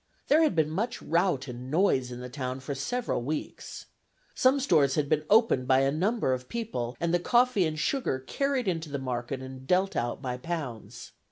There had been much rout and noise in the town for several weeks. Some stores had been opened by a number of people, and the coffee and sugar carried into the market and dealt out by pounds.